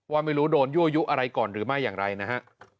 ไม่รู้โดนยั่วยุอะไรก่อนหรือไม่อย่างไรนะฮะ